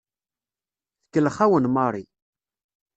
Tkellex-awen Mary.